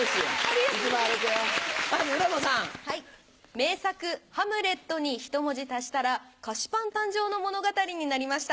名作『ハムレット』にひと文字足したら菓子パン誕生の物語になりました。